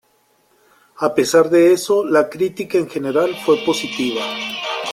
A pesar de eso, la crítica en general fue positiva.